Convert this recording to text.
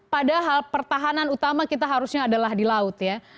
padahal pertahanan utama kita harusnya adalah di laut ya